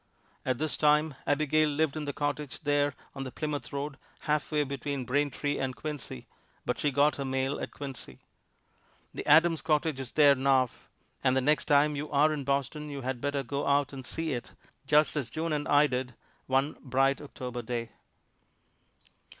At this time Abigail lived in the cottage there on the Plymouth road, halfway between Braintree and Quincy, but she got her mail at Quincy. The Adams cottage is there now, and the next time you are in Boston you had better go out and see it, just as June and I did one bright October day.